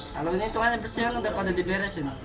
kalau ini gelantungan bersih udah pada diberesin